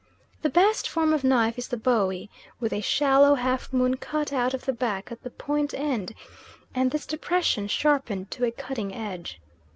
The best form of knife is the bowie, with a shallow half moon cut out of the back at the point end, and this depression sharpened to a cutting edge.